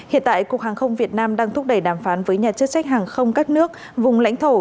hiện tại cục hàng không việt nam đang thúc đẩy đàm phán với nhà chức trách hàng không các nước vùng lãnh thổ